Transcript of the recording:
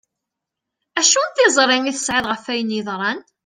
Acu n tiẓri i tesεiḍ ɣef ayen yeḍran?